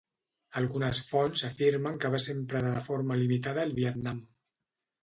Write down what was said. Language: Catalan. Algunes fonts afirmen que va ser emprada de forma limitada al Vietnam.